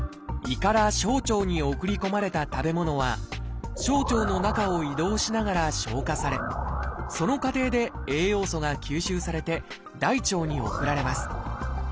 胃から小腸に送り込まれた食べ物は小腸の中を移動しながら消化されその過程で栄養素が吸収されて大腸に送られます。